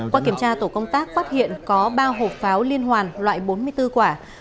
qua kiểm tra tổ công tác phát hiện có ba hộp pháo liên hoàn loại bốn mươi bốn quả